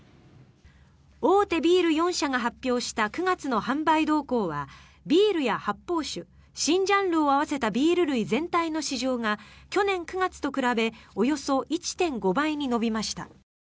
大手ビール４社が発表した９月の販売動向はビールや発泡酒新ジャンルを合わせたビール類全体の市場が去年９月と比べおよそ１．５倍に伸びました。